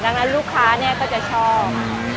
ดังนั้นลูกค้าก็จะชอบ